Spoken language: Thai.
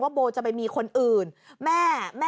พี่ขอโทษกว่าไม่ได้พี่ขอโทษกว่าไม่ได้